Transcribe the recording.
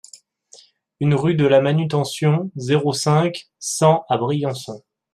un rue de la Manutention, zéro cinq, cent à Briançon